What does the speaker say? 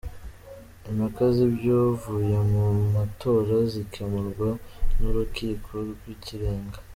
Impaka z’ibyavuye mu matora zikemurwa n’urukiko rw’ikirenga.